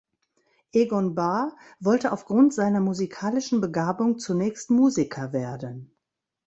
Egon Bahr wollte aufgrund seiner musikalischen Begabung zunächst Musiker werden.